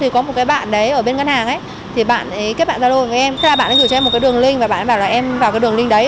có một bạn ở bên ngân hàng bạn kết bạn gia đô với em bạn gửi cho em một đường link và bạn bảo em vào đường link đấy